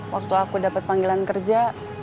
waktu aku dapat panggilan kerja